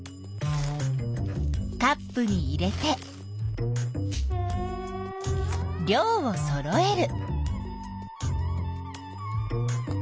カップに入れて量をそろえる。